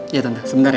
iya tante sebentar ya